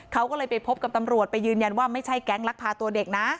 เขาก็เลยไปพบกับตำรวจไปยืนยันว่าไม่ใช่แก๊งลักพาตัวเด็กนะ